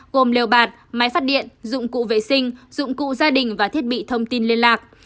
gồm lều bạt máy phát điện dụng cụ vệ sinh dụng cụ gia đình và thiết bị thông tin liên lạc